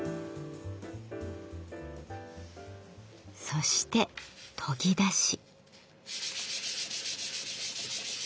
そして研ぎ出し。